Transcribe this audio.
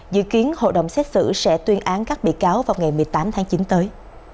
dự kiến hội đồng xét xử sẽ tuyên án các bị cáo vào ngày một mươi tám tháng chín tới